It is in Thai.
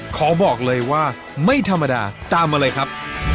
ขอบอกเลยว่าไม่ธรรมดาตามมาเลยครับ